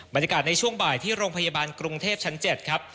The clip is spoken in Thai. บรรยากาศในช่วงบ่ายที่โรงพยาบาลกรุงเทพชั้น๗ครับ